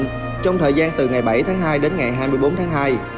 giao dịch được thực hiện từ ngày bảy tháng hai đến ngày hai mươi bốn tháng hai